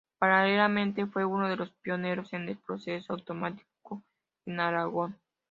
Paralelamente fue uno de los pioneros en el proceso autonómico en Aragón.